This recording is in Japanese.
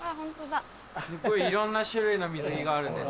すごいいろんな種類の水着があるね。